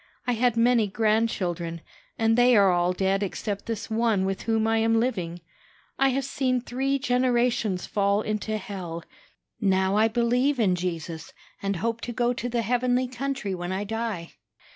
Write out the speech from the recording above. I had many grandchildren, and they are all dead except this one with whom I am living. I have seen three generations fall into hell. Now I believe in Jesus, and hope to go to the heavenly country when I die.